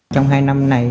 trong hai năm này